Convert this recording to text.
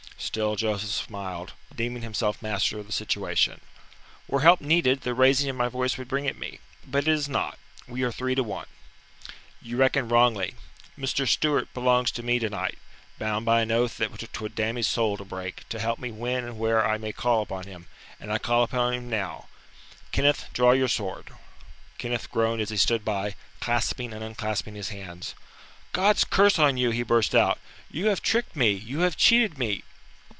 Still Joseph smiled, deeming himself master of the situation. "Were help needed, the raising of my voice would bring it me. But it is not. We are three to one." "You reckon wrongly. Mr. Stewart belongs to me to night bound by an oath that 'twould damn his soul to break, to help me when and where I may call upon him; and I call upon him now. Kenneth, draw your sword." Kenneth groaned as he stood by, clasping and unclasping his hands. "God's curse on you," he burst out. "You have tricked me, you have cheated me."